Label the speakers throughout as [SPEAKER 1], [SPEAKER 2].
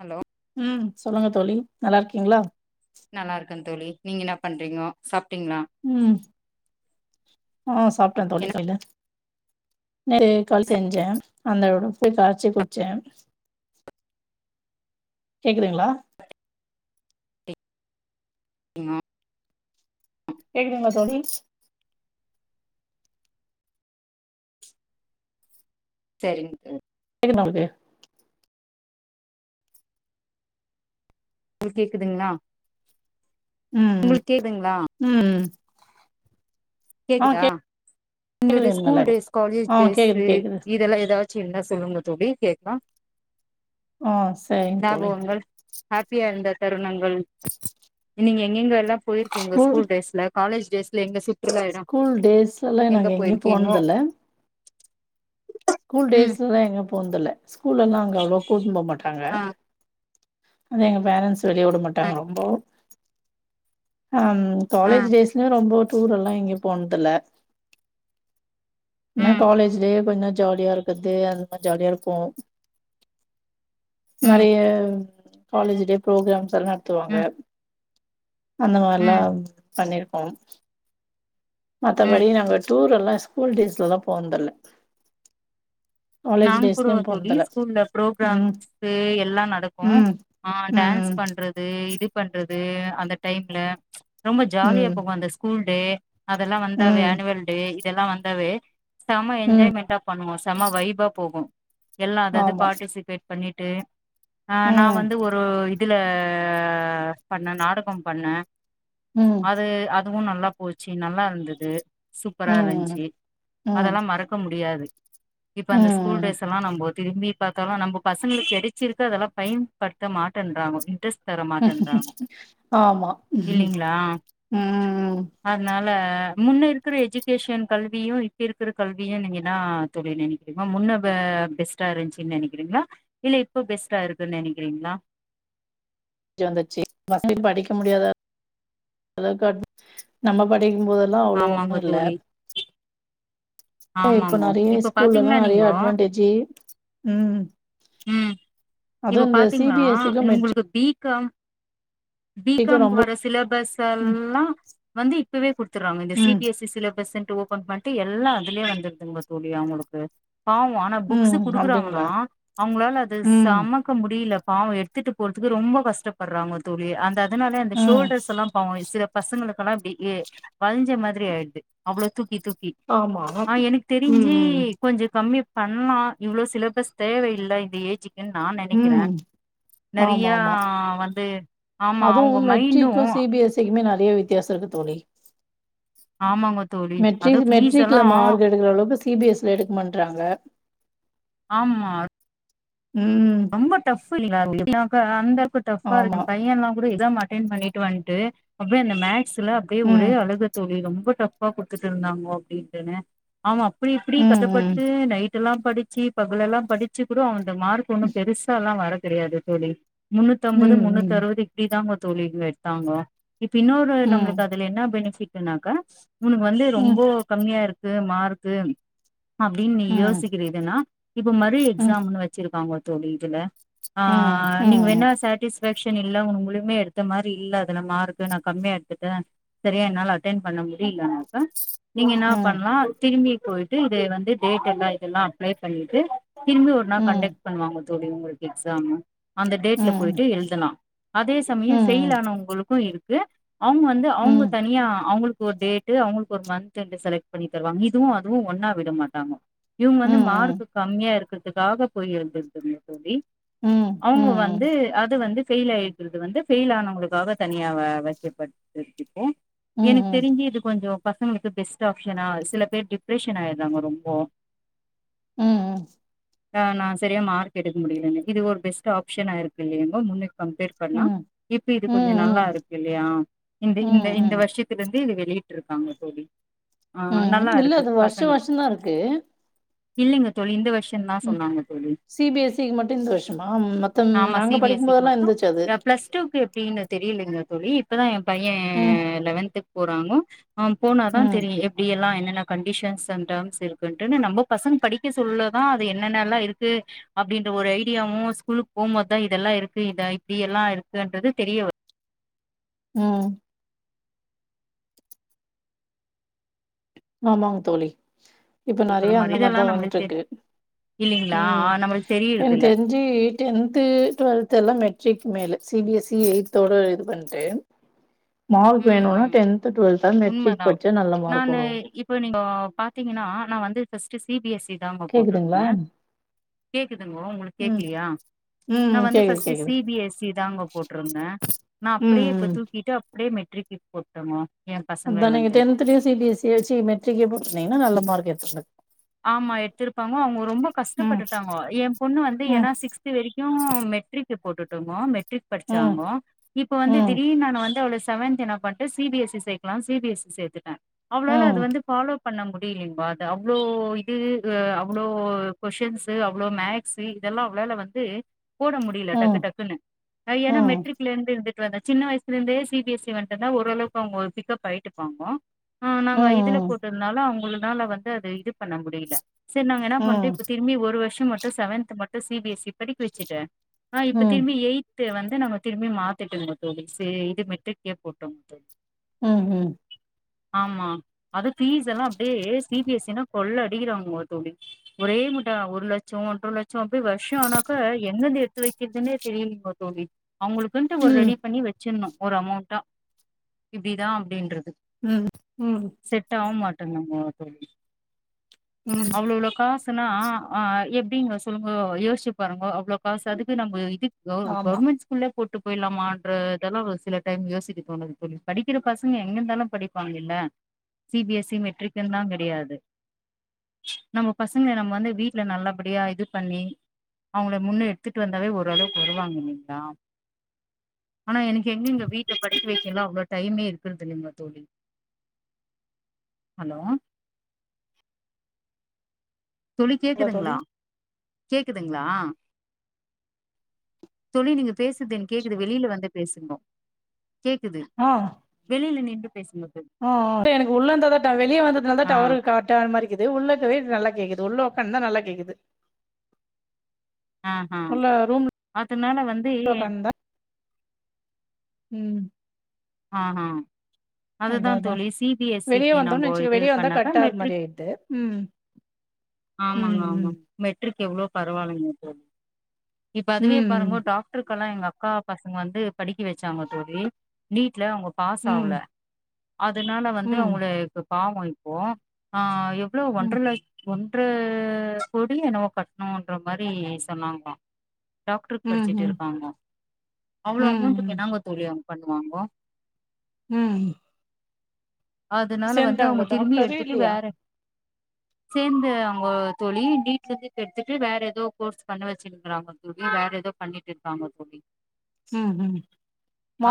[SPEAKER 1] Hello
[SPEAKER 2] ம் சொல்லுங்க தோழி நல்லா இருக்கீங்களா
[SPEAKER 1] நல்லா இருக்கேன் தோழி நீங்க என்ன பண்றீங்கோ சாப்
[SPEAKER 2] ம் ஆ சாப்பிட்டேன் தோழி
[SPEAKER 1] என்ன
[SPEAKER 2] காலல நேத்து கள் செஞ்சேன் அந்தோட போய் கரைச்சு குடிச்சேன் கேக்குதுங்களா
[SPEAKER 1] ங்கோ
[SPEAKER 2] கேக்குதுங்குலா சுவாதி
[SPEAKER 1] செரிங்க
[SPEAKER 2] எது நாக்கு
[SPEAKER 1] கேக்குதுங்களா
[SPEAKER 2] ம் ம்
[SPEAKER 1] உங்களுக்கு கேக்குதுங்களா
[SPEAKER 2] ம் ம் ஆ
[SPEAKER 1] கேக்குதா
[SPEAKER 2] கேக்குது
[SPEAKER 1] உங்களுடைய
[SPEAKER 2] நல்லா
[SPEAKER 1] ஸ்கூல் டேஸ்சு காலேஜ்
[SPEAKER 2] ஆ கேக்குது
[SPEAKER 1] டேஸ்சு
[SPEAKER 2] கேக்குது
[SPEAKER 1] இதெல்லா ஏதாச்சு என்ன சொல்லுங்க தூபி கேக்கும்
[SPEAKER 2] ஆ சரிங்க தோழி
[SPEAKER 1] ஞாபகங்கள் ஹாப்பியா இருந்த தருணங்கள் நீங்க நீங்க எல்லாப் போயிருக்கீங்களா ஸ்கூல் டேஸ்ல காலேஜ் டேஸ் லிங்க சுத்
[SPEAKER 2] ஸ்கூல் டேஸ்சு எல்லா நாங்க எங்கியு
[SPEAKER 1] போயிருக்கீங்கோ
[SPEAKER 2] போனதுல்ல ஸ்கூல்
[SPEAKER 1] ம்
[SPEAKER 2] டேஸ்ல எங்கப் போன்துல்ல ஸ்கூல்லல்லா அங்க அவ்ளோ கூட்டின் போவ்மாட்டாங்க
[SPEAKER 1] ஆ
[SPEAKER 2] அது எங்க பேரன்ஸ் வெளிய உட
[SPEAKER 1] ஆ
[SPEAKER 2] மாட்டாங்க ரொம்பவு ஆம்
[SPEAKER 1] ஆ
[SPEAKER 2] காலேஜ் டேஸ்சுலயு ரொம்ப டூர் எல்லா எங்கியு போன்துல என்ன
[SPEAKER 1] ம்
[SPEAKER 2] காலேஜ்லியே கொஞ்ச [unintelligible] ஜாலியா இருக்கது அந்த மாரி ஜாலியா இருப்போம்
[SPEAKER 1] ம்
[SPEAKER 2] நெறிய காலேஜ் டே ப்ரோக்ராம் இத நத்துவாங்க
[SPEAKER 1] ம்
[SPEAKER 2] அந்த மாரில்லா
[SPEAKER 1] ம்
[SPEAKER 2] பண்ணிருக்கோம்
[SPEAKER 1] ம்
[SPEAKER 2] மத்தபடி நங்கச் டூர் எல்லா ஸ்கூல் டேஸ்லெல்லா போன்துல்ல
[SPEAKER 1] நாங்க கூடவா தோழி ஸ்கூல்ல
[SPEAKER 2] ம்
[SPEAKER 1] ப்ரோக்ராம்ஸ்சுக்கு எல்லா நடக்கு
[SPEAKER 2] ம்
[SPEAKER 1] ஆஹ் டான்ஸ்
[SPEAKER 2] ம்
[SPEAKER 1] பண்றது இது பண்ற து அந்த டைம்ல ரொம்ப ஜாலியா
[SPEAKER 2] ம்
[SPEAKER 1] போகு அந்த ஸ்கூல் டே அதெல்லா வந்து அவ
[SPEAKER 2] ம்
[SPEAKER 1] ஆனுவல் டே இதெல்லா வந்தாவே செம
[SPEAKER 2] ம்
[SPEAKER 1] என்ஜாய் மெண்ட்டாப் பண்ணுவோ செம வைபா போகும் எல்லா அத அது
[SPEAKER 2] ஆமா
[SPEAKER 1] பார்ட்டிசிபேட் பண்ணிட்டு ஆஹ் நா
[SPEAKER 2] ம்
[SPEAKER 1] வந்து ஒரு இதுல பண்ண நாடகம் பண்ணே
[SPEAKER 2] ம்
[SPEAKER 1] அது அ அதுவும் நல்லா போச்சு நல்லா இருந்தது சூப்பரா
[SPEAKER 2] ம்
[SPEAKER 1] இருந்துச்சு
[SPEAKER 2] ம்
[SPEAKER 1] அதெல்லா மறக்க முடியாது இப்ப அந்த ஸ்கூல்
[SPEAKER 2] ம்
[SPEAKER 1] டேஸ்ல்லாம் நம்ம திரிம்பி பாத்தாலும் நம்ம பசங்களுக்கு கெடச்சிருக்க அதெல்லாம் பயன்படுத்த மாட்டேன்றாங்க இன்ட்ரெஸ்ட் தர மாட்டேன்றாங்கோ
[SPEAKER 2] ஆமா உம்
[SPEAKER 1] இல்லைங்களா
[SPEAKER 2] உம்
[SPEAKER 1] அதனால முன்ன இருக்கிற எஜுகேஷன் கல்வியும் இப்ப இருக்கிற கல்வியும் நீங்க னா தோழி நெனைக்கிறீங்க முன்ன பெஸ்ட்டா இருந்துச்சின்ன்னு நெனைக்கிறீங்களா இல்ல இப்போ பெஸ்ட்டா இருக்குன்னு நெனைக்கிறீங்களா
[SPEAKER 2] ந்துச்சுபசங்க படிக்க முடியாதளவுக்கு நம்ம படி கிடைக்கும்போதெல்லாம் அவ்வளவு
[SPEAKER 1] ஆமாங்கோ
[SPEAKER 2] ஒண்ணும் இல்ல
[SPEAKER 1] தோழி
[SPEAKER 2] இப்ப
[SPEAKER 1] ஆமாங்கோ
[SPEAKER 2] நெறைய
[SPEAKER 1] இப்ப பாத்தீங்களா
[SPEAKER 2] ஸ்கூல்லல்லாம் நெறைய
[SPEAKER 1] நீங்கோ
[SPEAKER 2] அட்வான்டேஜு உம்
[SPEAKER 1] உம் இப்ப பாத்தீங்களா
[SPEAKER 2] எஸ் சி க்கு மெட்ரிக்கு
[SPEAKER 1] உங்களுக்கு பீ கம் பி காம் க்கு
[SPEAKER 2] ரொம்ப
[SPEAKER 1] வர சிலபஸ்
[SPEAKER 2] ம்
[SPEAKER 1] எல்லாம் வந்து இப்பவே குடுத்துடுறாங்க இந்த
[SPEAKER 2] ம்
[SPEAKER 1] சிபிஎஸ்இ சிலபஸ் ஓப்பன் பண் டுஎல்லாம் இதிலியே வந்துடுதுங்க தோழி அவுங்களுக்கு ஆ ஆனா
[SPEAKER 2] ம்
[SPEAKER 1] புக்ஸ்ஸு
[SPEAKER 2] அப்டிங்களா
[SPEAKER 1] கொடுக்குறாங்கன்னா அவுங்களால அது
[SPEAKER 2] ம்
[SPEAKER 1] சமக்க முடியல பாவ எடுத்துட்டு போறதுக்கு ரொம்ப கஷ்டப்படுறாங்க தோழி அந்த அதனால அந்த
[SPEAKER 2] ம்
[SPEAKER 1] ஷோல்டர்ஸ் எல்லா பாவொ சில பசங்களுக்கெல்லா இப்பிடி ஏ வழுஞ்ச மாதிரி ஆயிடுது அவ்ளோ தூக்கி தூக்கி கி
[SPEAKER 2] ஆமா
[SPEAKER 1] ஆஹ் எனக்கு
[SPEAKER 2] ம்
[SPEAKER 1] தெரிஞ்சு
[SPEAKER 2] ம்
[SPEAKER 1] கொஞ்ச கம்மி பண்ணலா இவ்ளோ சிலபஸ் தேவையில்ல இந்த ஏஜி நான் நினைக்கிறே
[SPEAKER 2] ம்
[SPEAKER 1] நறைய
[SPEAKER 2] ஆமா ஆமா
[SPEAKER 1] வந்து ஆமா அவுங்க மைண்டும்
[SPEAKER 2] நிறைய வித்தியாச இருக்குத்தோழி
[SPEAKER 1] ஆமாங்க தோழி அது
[SPEAKER 2] மெட்ரிக்
[SPEAKER 1] ஃபீஸ் எல்லா
[SPEAKER 2] மெட்ரிக்ல மார்க் எடுக்கிற அளவுக்கு சிபிஎஸ்ல எடுக்க மாற்றாங்க
[SPEAKER 1] ஆமா
[SPEAKER 2] ம்
[SPEAKER 1] ரொம்ப டஃப் அந்தாக்கு டஃபா இருக்கு
[SPEAKER 2] ஆமா
[SPEAKER 1] பைய எல்லா கூட இத மாட்டேன் கிளீன் பண்ணிட்டு வந்துட்டு அப்டிய அந்த மே வயசுல அப்புடியே ஒரே
[SPEAKER 2] ம்
[SPEAKER 1] அழுகதோழி ரொம்ப டஃப் அப்பா குடுத்துட்டு இருந்தாங்கோ அப்பிடின்டுனு அவன் அப்பிடி இப்பிடி
[SPEAKER 2] ம் ம்
[SPEAKER 1] கஷ்டப்பட்டு நைட் எல்லா படிச்சி பகலெல்லா படிச்சி கூட அவ இந்தமார் பெருசால்லா வர தெரியாது தோலி முன்னூத்து அம்பது முன்னூத்து
[SPEAKER 2] ம்
[SPEAKER 1] அறுவது இப்பிடிதா தோலிக்குள்ள எடுத்தாங்கோ இப்ப இன்னொரு
[SPEAKER 2] ம் ம்
[SPEAKER 1] நம்மளுக்கு அதுல என்ன பெனிஃபிட் சொனாக்கா உனக்கு வந்து
[SPEAKER 2] ம்
[SPEAKER 1] ரொம்போ கம்மியா இருக் கு மார்க்கு [unintelligible] அப்பிடின்னு நீ
[SPEAKER 2] ம்
[SPEAKER 1] யோசிக்கிற இதுன்னா இப்ப மறு
[SPEAKER 2] ம் ம் ம்
[SPEAKER 1] எக்ஸாம் வச்சிருக்காங்க தொலி இதுல
[SPEAKER 2] ம்
[SPEAKER 1] ஆஹ நீங்க வேனா சாட்டிஸ் பேக் ஷன் இல்ல உ உங்குளுக்குமே எடுத்த மாரி இல்ல அதுல மார்க் நா கம்மியா எடுத்துட்டன் சரியா என்னால அட்டென் பண்ண முடியுலனாக்க நீங்க என்ன பண்ணலான் திரும்பி போயிட்டு இது வந்து டேட் எல்லா இதெல்லா அப்ளே பண்ணிட்டு திரும்பி ஒரு நாள்
[SPEAKER 2] ம்
[SPEAKER 1] கண்டெக்ட் மா தோலி இவங்களுக்கு எக்ஸாமு அந்த டேட்ல
[SPEAKER 2] ம்
[SPEAKER 1] போயிட்டு எளுதலான் அதே சமயோ
[SPEAKER 2] ம் ம்
[SPEAKER 1] ஃபெயில் ஆனவங்களுக்கோ இருக் து அவங்க வந்து அவங்க
[SPEAKER 2] ம்
[SPEAKER 1] தனியா அவங்களு ஒரு டேட்டு அவங்களுக்கு ஒரு மந்த் என்டு செலக்ட் பண்ணி தருவாங்க இதுவோ அதுவோ ஒன்னா விட மாட்டாங்க இவங்க வந்து
[SPEAKER 2] ம்
[SPEAKER 1] மார்க் கம்மியா இருக்கு அதுக்காக போய் எல் [unintelligible] தோலி
[SPEAKER 2] ம் ம்
[SPEAKER 1] அவங்க
[SPEAKER 2] ம்
[SPEAKER 1] வந்து அது வந்து ஃபெயில் ஆயிக்கிறது வந்து ஃபெயில் ஆனவங்களுக்காக தனியா வெக்கப்பட்டுயிருக்கு இப்போ
[SPEAKER 2] ம்
[SPEAKER 1] எனக்கு
[SPEAKER 2] ம்
[SPEAKER 1] தெரிஞ்சு இது கொஞ்சோ பசங்களுக்கு பெஸ்ட் ஆப்ஷனா சில பேர் டிப்ரெஷன் ஆயிறாங்க ரொம்போ
[SPEAKER 2] உம் உம்
[SPEAKER 1] தா நாஸ் செரியா மார்க் எடுக்க முடியலனு இது ஒரு பெஸ்ட் ஆப்ஷனாயிருக்கு இல்லையுகோ முன்னைக்கு கம்பெட் பண்ணா
[SPEAKER 2] ம்
[SPEAKER 1] இப்ப இது கொஞ்சோ
[SPEAKER 2] ம்
[SPEAKER 1] நல்லாயிருக்கு இல்லையா இந்த
[SPEAKER 2] ம்
[SPEAKER 1] இந்த இந்த
[SPEAKER 2] ம்
[SPEAKER 1] வருஷத்துலயிருந்து இது வெளி ட்டுருக்காங்க தோலி
[SPEAKER 2] உம் இல்ல இது வருஷா வருஷோதா இருக்கு
[SPEAKER 1] இல்லங்க தோலி இந்த வருஷோ கின்னா
[SPEAKER 2] ம்
[SPEAKER 1] சொன்னாங்க தோலி
[SPEAKER 2] சி பி எஸ் சிக்கு மட்டோ இந்த வருஷோமா மத்தம்
[SPEAKER 1] ஆமா சி
[SPEAKER 2] நாங்க
[SPEAKER 1] பி எஸ்
[SPEAKER 2] படிக்கும்
[SPEAKER 1] சிக்கு
[SPEAKER 2] போதெல்லா
[SPEAKER 1] மட்டு
[SPEAKER 2] இருந்துச்சு அது
[SPEAKER 1] பிளஸ் எப்டின்னு தெரியலீங்க தோழி இப்பதா என் பையன்
[SPEAKER 2] ம்
[SPEAKER 1] லெவன்து போறாங்க ஆஹ் போனாதா
[SPEAKER 2] ம்
[SPEAKER 1] தெரியோ எப்டி எல்லா என்னன்னு கண்டிஷன்ஸ் அண்ட் டெர்ம்ஸ் இருக்குண்டு நம்ம பசங்க படிக்க ஸ்கூல்ல தா அது என்னென்னல்லா இருக் அப்டின்ற ஒரு ஐடியாவோ ஸ்கூலுக்கு போமோதுதா இதெல்லாயிருக்கு இப்டி எல்லா இருக்குன்றது தெரிய வரோ
[SPEAKER 2] உம் ஆமாங்க தோழி இப்போ
[SPEAKER 1] இருக்கிற
[SPEAKER 2] நெறைய அந்த
[SPEAKER 1] மாரி இதெல்லா
[SPEAKER 2] மாரிதா
[SPEAKER 1] நம்மளுக்கு தெ
[SPEAKER 2] வந்துட்டுருக்கு
[SPEAKER 1] இல்லைங்களா
[SPEAKER 2] ம்
[SPEAKER 1] நம்மளுக்கு
[SPEAKER 2] எனக்கு
[SPEAKER 1] தெரியறதில்ல
[SPEAKER 2] தெரிஞ்சு டென்த்து டுவெல்த்து எல்லா மெட்ரிக் இனிமேலு சி பி எஸ் சி இப்பதா இது பண்து மார்க்
[SPEAKER 1] ம்
[SPEAKER 2] வேணோனா
[SPEAKER 1] ம்
[SPEAKER 2] டென்த்து டுவல்த்துதா மெட்ரிக் படிச்சா நல்ல மார்க் வரோ
[SPEAKER 1] இப்போ நீங்கோ பாத்தீங்கன்னா நா வந்து ஃபர்ஸ்ட் சி பி எஸ் தாங்க
[SPEAKER 2] கேக்குதுங்களா
[SPEAKER 1] போட்டிருந்தே கேக்குதுங்களா உங்களுக்கு
[SPEAKER 2] ம்
[SPEAKER 1] கேக்கலையா நா
[SPEAKER 2] ம்
[SPEAKER 1] வந்து
[SPEAKER 2] கேக்குது
[SPEAKER 1] ஃபஸ்டு
[SPEAKER 2] கேக்குது
[SPEAKER 1] சி பி எஸ் சி தாங்க போட்டிருந்தே நா
[SPEAKER 2] ம்
[SPEAKER 1] அப்டியே இப்ப
[SPEAKER 2] ம்
[SPEAKER 1] தூக்கிட்டு அப்படியே மெட்ரிக்குக்கு போட்டங்க
[SPEAKER 2] அத்தானே நீ டென்தலயே சிபிஎஸ்சி வெச்சி மெட்ரிக்கே போட்டு இருந்தீங்கன்னா நல்ல மார்க் எடுத்துருன்ப்பா
[SPEAKER 1] ஆமா எடுத்திருப்பாங்க அவங்க ரொம்ப
[SPEAKER 2] ம்
[SPEAKER 1] கஷ்டப்பட்டுட்டாங்க என் பொண்ணு வந்து
[SPEAKER 2] ம்
[SPEAKER 1] ஏன்னா சிக்ஸ்த் வரைக்கும் மெட்ரிக் போட்டுட்டோமோ மெ
[SPEAKER 2] ம்
[SPEAKER 1] மெட்ரிக்படிச்சாங்க இப்ப வந்து
[SPEAKER 2] ம்
[SPEAKER 1] திடீர்னு நானு வந்து அவ்வள செவன்த் என்னா பன்னிட்டன் சி பி எஸ் சேர்க்கலாம் சிஸ் பி எ ஸ் சேர்த்துட்டேன் அவ்வளால அது
[SPEAKER 2] ம்
[SPEAKER 1] வந்து ஃபாலோ பண்ண முடியலலைங்களா அது அவ்ளோ இது அவ்வளோ கொஷின்ஸ் அவ்ளோ மேக்ஸு இதெல்லாம் அவளால வந்து போட முடியல டக்கு
[SPEAKER 2] ம்
[SPEAKER 1] டக்குன்னு
[SPEAKER 2] ம்
[SPEAKER 1] ஏன்னா
[SPEAKER 2] ம்
[SPEAKER 1] மெட்ரிக்ல இருந்து இருந்துட்டு வந்த சின்ன வயசுல இருந்தே சி பி எசி வந்துட்டுந்தா ஓரளவுக்கு அவங்க பிக்கப் ஆயிட்டு இருப்பாங்க ஆ நாங்க இதுல
[SPEAKER 2] ம்
[SPEAKER 1] போட்டிருந்தாலும் அவங்களுக்கு அதனால வந்து அது இது பண்ண முடியல செரி நாங்க என்ன
[SPEAKER 2] ம்
[SPEAKER 1] பண்றேன்
[SPEAKER 2] ம்
[SPEAKER 1] இப்போ திரும்பி ஒரு வருஷம் மட்டும் செவன்த் மட்டும் சி பிஎஸ் இ படிக்க வச்சுடு ஆஹ் இப்ப
[SPEAKER 2] ம்
[SPEAKER 1] திரும்பி எயித் டென்த் வந்து நம்ம திரும்பி மாத்திட்டோம் தோ ச இது மெட்ரிக்ளே போட்டோம்
[SPEAKER 2] உம் உம்
[SPEAKER 1] ஆமா அது ஃபீஸ் எல்லாம் அப்படியே சி பி எஸ் இசின கொள்ள அடிக்கிறாங்க தோழி ஒரே மூட்டா ஒரு லட்சம் ஒன்றரை லட்சம் சோ அப்டியே வருஷ்ஷ ஆனாக்கா எங்கிருந்து த்து வெக்கிறதுன்னே தெரியலீங்க தோழி அவுங்குளுக்குன்ட்டு ஒரு ரெடி பண்ணி வெச்சிருணு ஒரு அமௌண்ட்டா இப்டிதா அப்டின்றது
[SPEAKER 2] உஹம் உம்
[SPEAKER 1] ட்டுங்க தோழி
[SPEAKER 2] ம்
[SPEAKER 1] அவ்வுளோ இவ்ளோ காஸ் த்துன்னா ஆ எப்டிங்க சொல்லுங்க யோச்சு பாருங்க அவ்ளோ காசு அதுக்கு நம்ம இதுக் கௌ
[SPEAKER 2] ஆமா
[SPEAKER 1] கவர்மெண்ட்ஸ்கூல்ல போட்டு போய்லாமான்ற இதெல்லா ஒரு சில டைம் யோசிக்க தோணுது தோழி படிக்கிற பசுங்க எங்க இருந்தாலும் படிப்பாங்குல்ல சிபிஎஸ்இ மெட்ரிக்கன்தா கிடையாது நம்ம பசங்க நம்ம வந்து வீட்டுல நல்லபடியா இது பண்ணி அவுங்கள முன்ன எடுத்துட்டு வந்தாவே ஓரளவு வருவாங்க இல்லைங்குளா ஆனா எனக்கு எங்கிங்க வீட்வ படிக்க வெக்கீளா அவ்ளோ டைமே இருக்கிறது இல்லைங்க தோழி ஹலோ தோழி
[SPEAKER 2] இல்ல தோழி
[SPEAKER 1] கேக்குதுங்குளா கேக்குதுங்குளா தோழி நீங்க பேசுது எனக்கு கேக்குது வெளியில வந்து பேசுங்கோ கேக்குது
[SPEAKER 2] ஆ
[SPEAKER 1] வெளியில நின்
[SPEAKER 2] [unintelligible] உள்ள இருந்தாட வெளிய வந்தது நால்லதா
[SPEAKER 1] ஆ
[SPEAKER 2] டவரு காட்டாதா மாரி கேக்குது உள்ளக்கவே நல்லா கேக்குது உள்ள உக்காந்தா நல்லா கேக்குது
[SPEAKER 1] ஆஹ் ஹா
[SPEAKER 2] உள்ள ரூம்ல
[SPEAKER 1] அதுனால வந்து எ
[SPEAKER 2] உம்
[SPEAKER 1] ஆஹ் ஆஹ் அதுதான்
[SPEAKER 2] அதா
[SPEAKER 1] தோழி
[SPEAKER 2] வெளிய
[SPEAKER 1] சிபிஎஸ்சிக்கி
[SPEAKER 2] வந்தோன்னு
[SPEAKER 1] நம்ம
[SPEAKER 2] வச்சுக்க
[SPEAKER 1] இது
[SPEAKER 2] வெளிய வந்தா
[SPEAKER 1] பண்ணத
[SPEAKER 2] கட்டாகுற மாரி
[SPEAKER 1] மெட்ரிக்
[SPEAKER 2] ஆயிடுது ம்
[SPEAKER 1] ஆமாங்க
[SPEAKER 2] ம் ம்
[SPEAKER 1] ஆமாங்க மெட்ரிக் எவ்ளோ பரவாயில்லைங்க தோழி இப்ப அதுவியே பாருங்க
[SPEAKER 2] ம்,
[SPEAKER 1] ஒர் டாக்டருக்கு அக்கல்லா எங்க அக்கா பசுங்க வந்து படிக்க வெச்சாங்க தோழி நீட்ல உங்க பாஸ் ஆவுல
[SPEAKER 2] ம்,
[SPEAKER 1] அதுனால வந்து
[SPEAKER 2] ம்,
[SPEAKER 1] அவுங்களேப் பாவோ இப்போ ஆஹ் எ அவ்ளோ ஒன்ற
[SPEAKER 2] ம்,
[SPEAKER 1] லட்ச் ஒன் ட்று கொடி என்னவோ கட்டணுன்ற மாரி சொன்னாங்குளா டாக்ருக்கு படிச்சிட்டு
[SPEAKER 2] ம்ஹ்ம்,
[SPEAKER 1] இருக்காங்க அவ்வுளோ அமௌண்ட்டுக்கு
[SPEAKER 2] ம்,
[SPEAKER 1] என்னாங்க தோழி பிண்ணாங்கோ
[SPEAKER 2] உஹம் ம்
[SPEAKER 1] அதுனால வந்து அவுங்க
[SPEAKER 2] சேர்ந்துட்டாங்களா
[SPEAKER 1] திரும்பி
[SPEAKER 2] டாக்டரு
[SPEAKER 1] எடுத்துட்டு
[SPEAKER 2] இல்லையா?
[SPEAKER 1] வேற சேர்ந்து அவங்க தோழி நீட்ல இருந்து எடுத்துட்டு வேற ஏதோ கோர்ஸ் பண்ண வச்சிருக்கிறாங்க தோழி வேற ஏதோ பண்ணிட்டு இருக்காங்க தோழி
[SPEAKER 2] உம் உம்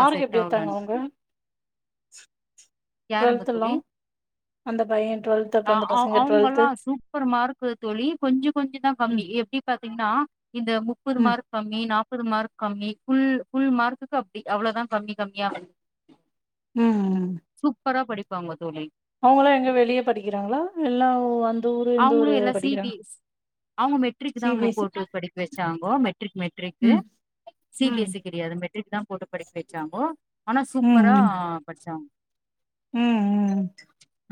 [SPEAKER 1] ஆ செட்
[SPEAKER 2] எடுத்தாங்க அவங்க
[SPEAKER 1] ஆவலன்ட்டு யாருங்க தோழி
[SPEAKER 2] அந்த பையன் அப்ப அந்த
[SPEAKER 1] ஆஹ்
[SPEAKER 2] பசங்க
[SPEAKER 1] அவங்க எல்லாம் சூப்பர் மார்க்கு தோழி கொஞ்சம் கொஞ்ச தான்
[SPEAKER 2] ம்,
[SPEAKER 1] கம்மி எப்டி பாத் த்தீங்கனா இந்த முப்பது
[SPEAKER 2] ம்,
[SPEAKER 1] மார்க் கம்மி நாப் முப்பது மார்க் கம்மி புல் மார்க்குக்கு அப்படி அவ்வளோதான் கம்மி கம்மியா
[SPEAKER 2] உம் உம்
[SPEAKER 1] சூப்பரா படிப்பாங்க தோழி
[SPEAKER 2] அவங்கள எங்க வெளியே படிக்கிறாங்களா எல்லாம் வ
[SPEAKER 1] அவங்களும் எல்லாம் சி பி எஸ் அவங்க மெட்ரிக்
[SPEAKER 2] சி.பி.எஸ்.சி.
[SPEAKER 1] தான்ங்க படிக்க வச்சாங்கோ மெட்ரிக் மெட்ரிக்
[SPEAKER 2] ம்,
[SPEAKER 1] சி பி
[SPEAKER 2] ம்,
[SPEAKER 1] எஸ் கெடையாது மெட்ரிக் தான் கூட்டு படிக்கி வச்சாங்கோ ஆனா சூப்பரா படிச்சாங்
[SPEAKER 2] உம் உம்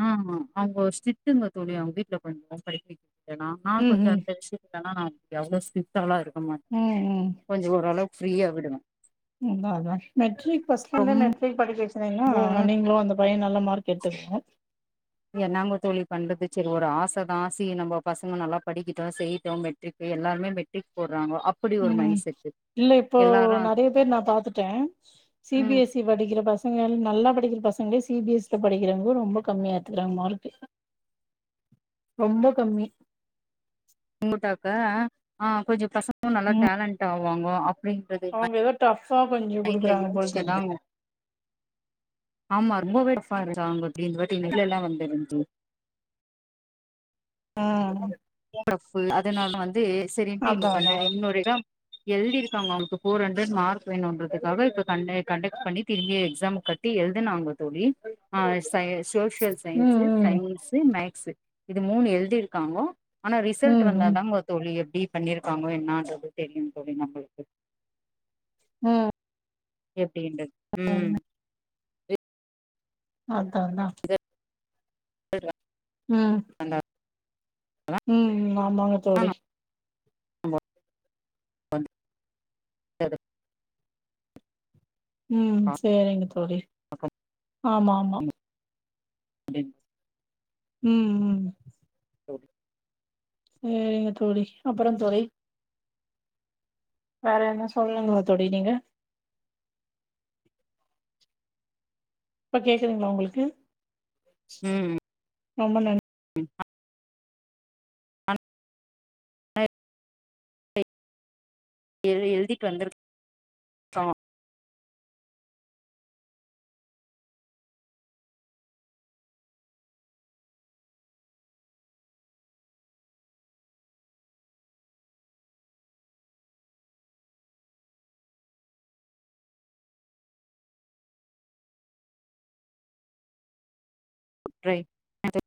[SPEAKER 1] ஆஹ் அவங்க ஸ்ட்ரிக்டுங்க தோழி அவங்க வீட்ல கொஞ்சமா படிபிங் ஏன்னனா கொஞ்சம்
[SPEAKER 2] ம்.
[SPEAKER 1] அந்தரிச்சு முன்னெல்லாம் எவ்வளோ சிட்டாவல இருக்கும் ஆமா
[SPEAKER 2] ம், ம், ம்.
[SPEAKER 1] கொஞ்சம் ஓரளவுக்கு ஃப்ரீயா விடுவேன்
[SPEAKER 2] உண்ம அதானே கீ ஃபஸ்ட்லந்து மெட்ரிக் படிக்க வச்சுட்டு அப் சரிங்களா
[SPEAKER 1] ரொம்பவும்
[SPEAKER 2] நீங்களும் அந்த பையன் நல்லா மார்க் எடுத்துக்கோம்
[SPEAKER 1] என்னாங்க தோழி பண்றது சரி ஒரு ஆச தான் ஆசி நம்ம பசங்க நல்லா படிக்கிட்டோம் செய்யிட்டோம் மெட்ரிக் எல்லாருமே மெட்ரிக் போ
[SPEAKER 2] உம் இல்ல இப்போ
[SPEAKER 1] எல்லாரு
[SPEAKER 2] நெறைய பேர் நான் பாத்துட்டேன்
[SPEAKER 1] ம்
[SPEAKER 2] சிபிஎஸ்இ படிக்கிற பசங்கள் நல்லா படிக்கிற பசங்க சிபிஎஸ்ல படிக்கிறாங்க ரொம்ப கம்மிய எத்துக்கறாங்க மார்க்க் ரொம்ப கம்மி
[SPEAKER 1] கும்புட்டாக்க ஆஹ் கொஞ்சம் பச நல்ல
[SPEAKER 2] ம்
[SPEAKER 1] டேலண்ட்டாவு வாங்கோ அப்டிங்கறது மைண்
[SPEAKER 2] கஞ்சு குடுக்குறாங்க பொழுது
[SPEAKER 1] ஆமா ரொம்பவோ டஃப்பா இருஞ்சி இந்த வாட்டி நெட்லல்லாம் வந்துருந்து
[SPEAKER 2] ஆஹ்
[SPEAKER 1] டஃப்பு அதனால வந்து சரின்ட்டி இருக்கண்ட
[SPEAKER 2] அதா
[SPEAKER 1] இன்னொரு இதா எழுதி இருக்காங்க அவுங்களுக்கு போர் ஹண்ட்ரட் மார்க் வேணும்ன்றதுக்காக இப்ப கண்டக்ட் பண்ணி திரும்பி எக்ஸாம் கட்டி எழுதுனாங்க தோழி ஆஹ் சோசியல் சயின்ஸ்
[SPEAKER 2] ம் ம்
[SPEAKER 1] சயின்ஸ் மேக் சு இது மூணு எழுதி இருக்காங்க ஆனா ரிசல்ட்
[SPEAKER 2] ம் ம்
[SPEAKER 1] வந்தாங்க தோழி எப்டி பண்ணிருக்காங்க என்னன்றது தெரியும் தோழி நம்மளுக்கு
[SPEAKER 2] உம்
[SPEAKER 1] எப் டின்றது உம்
[SPEAKER 2] அதான்தான்
[SPEAKER 1] ரிசல்ட்
[SPEAKER 2] உம்
[SPEAKER 1] வந்தாதா
[SPEAKER 2] உம் ஆமாங்க தோழி
[SPEAKER 1] ஆமா செரி செரி
[SPEAKER 2] உம் சேரிங்க தோழி
[SPEAKER 1] பாக்க
[SPEAKER 2] ஆமா ஆமா
[SPEAKER 1] [unintelligible]
[SPEAKER 2] உம் உம்
[SPEAKER 1] ஓகே
[SPEAKER 2] சேரிங்க தோழி அப்புறம் தோழி வேற என்னா சொல்லுங்களேன் தோழி நீங்க இப்ப கேக்குறதுங்களா உங்களுக்கு ஆமா நன்
[SPEAKER 1] றிப்பா அ இ எழுதிட்டு வந்தரு பா ரே ஆது